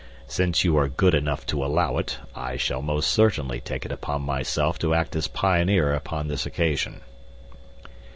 "Since you are good enough to allow it, I shall most certainly take it upon myself to act as pioneer upon this occasion."